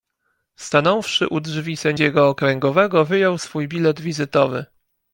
Stanąwszy u drzwi sędziego okręgowego, wyjął swój bilet wizytowy.